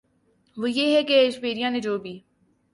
وہ یہ ہے کہ ایشوریا نے جو بھی